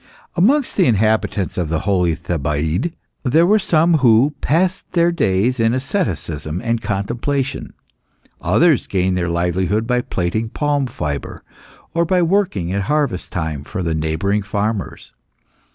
Amongst the inhabitants of the holy Thebaid, there were some who passed their days in asceticism and contemplation; others gained their livelihood by plaiting palm fibre, or by working at harvest time for the neighbouring farmers.